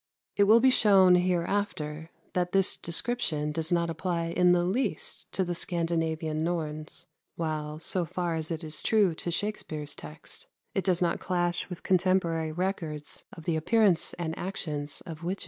It will be shown hereafter that this description does not apply in the least to the Scandinavian Norns, while, so far as it is true to Shakspere's text, it does not clash with contemporary records of the appearance and actions of witches.